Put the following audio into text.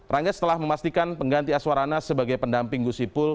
rangga setelah memastikan pengganti aswarana sebagai pendamping gusipul